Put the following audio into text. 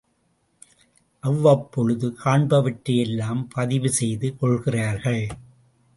அவ்வப்பொழுது காண்பவற்றை எல்லாம் பதிவு செய்து கொள்கிறார்கள்.